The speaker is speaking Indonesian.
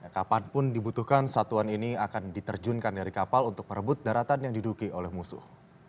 kapanpun dibutuhkan satuan ini akan diterjunkan dari kapal untuk merebut daratan yang diduki oleh musuh